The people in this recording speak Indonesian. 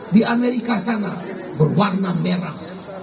di amerika sana berwarna merah